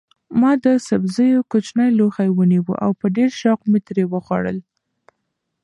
ما د سبزیو کوچنی لوښی ونیو او په ډېر شوق مې ترې وخوړل.